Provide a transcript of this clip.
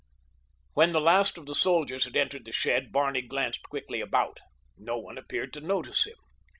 When the last of the soldiers had entered the shed Barney glanced quickly about. No one appeared to notice him.